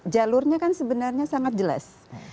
jalurnya kan sebenarnya sangat jelas